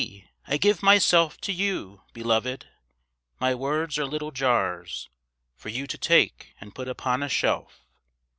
I give myself to you, Beloved! My words are little jars For you to take and put upon a shelf.